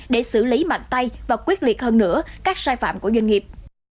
để xử lý mạnh tay và quyết liệt hơn nữa các sai phạm của doanh nghiệp